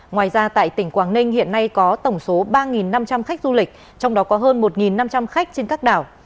ngoài ra tại tỉnh quảng ninh hiện nay có tổng số ba năm trăm linh khách du lịch trong đó có hơn một năm trăm linh khách trên các đảo